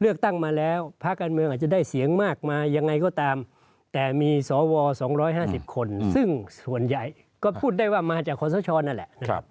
เลือกตั้งมาแล้วภาคการเมืองอาจจะได้เสียงมากมายังไงก็ตามแต่มีสว๒๕๐คนซึ่งส่วนใหญ่ก็พูดได้ว่ามาจากคอสชนั่นแหละนะครับ